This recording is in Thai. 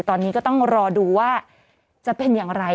ตอนนี้ก็ต้องรอดูว่าจะเป็นอย่างไร